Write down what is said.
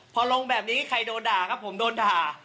พอลงแบบนี้ใครโดนด่าครับผมโดนด่า